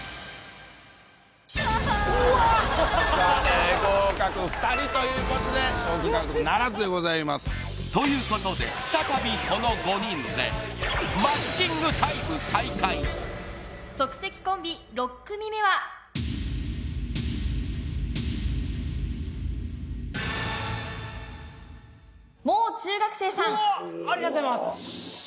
うわ合格２人ということで賞金獲得ならずでございますということで再びこの５人でマッチングタイム再開即席コンビ６組目はもう中学生さんうおっありがとうございます！